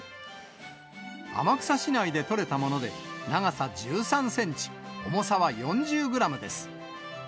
天草市内で採れたもので、長さ１３センチ、重さは４０グラムです。